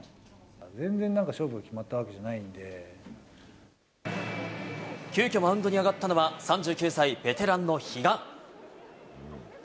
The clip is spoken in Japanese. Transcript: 全然なんか勝負が決まったわ急きょ、マウンドに上がったのは、３９歳、ベテランの比嘉。